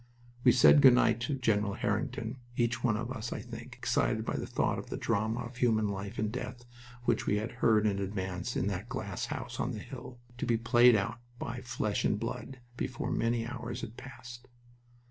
We said good night to General Harington, each one of us, I think, excited by the thought of the drama of human life and death which we had heard in advance in that glass house on the hill; to be played out by flesh and blood before many hours had passed.